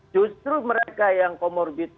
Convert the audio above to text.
justru mereka yang comorbid